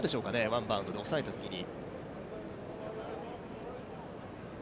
ワンバウンドで抑えたときに。